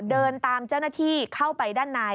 เดินตามเจ้าหน้าที่เข้าไปด้านใน